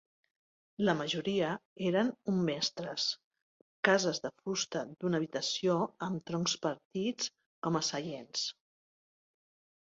La majoria eren un mestres, cases de fusta d'una habitació amb troncs partits com a seients.